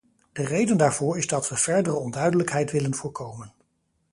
De reden daarvoor is dat we verdere onduidelijkheid willen voorkomen.